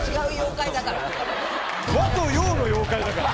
和と洋の妖怪だから。